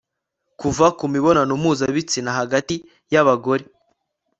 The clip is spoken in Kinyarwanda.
kuva ku mibonano mpuzabitsina hagati y'abagore